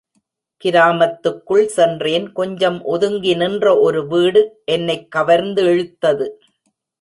கிராமத்துக்குள் சென்றேன் கொஞ்சம் ஒதுங்கி நின்ற ஒரு வீடு என்னைக் கவர்ந்திழுத்தது.